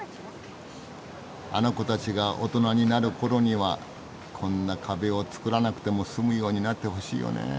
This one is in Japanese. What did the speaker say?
あの子たちが大人になる頃にはこんな壁をつくらなくても済むようになってほしいよねぇ。